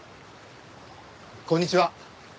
こんにちは。